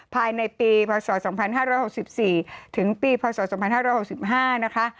ภายในปีพศ๒๕๖๔ถึงปีพศ๒๕๖๕นะคะ